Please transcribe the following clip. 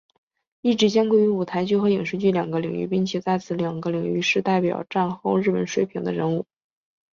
一直兼顾于舞台剧和影视剧两个领域并且在此两个领域是代表战后日本水平的人物。